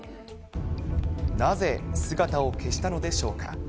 なぜ、姿を消したのでしょうか。